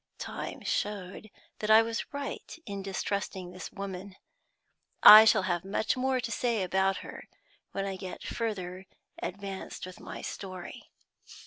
Time showed that I was right in distrusting this woman. I shall have much more to say about her when I get further advanced with my story.